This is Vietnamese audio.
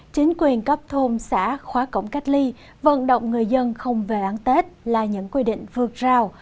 chính quyền cấp thôn xã khóa cổng cách ly vận động người dân không về đón tết là những quy định vượt rào